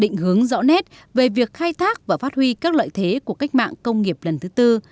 định hướng rõ nét về việc khai thác và phát huy các lợi thế của cách mạng công nghiệp lần thứ tư